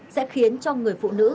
sẽ khiến cho người phụ nữ